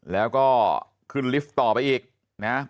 แล้วก็ขึ้นลิฟต์ต่อไปอีกนะ